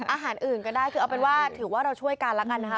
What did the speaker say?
อาหารอื่นก็ได้คือเอาเป็นว่าถือว่าเราช่วยกันแล้วกันนะคะ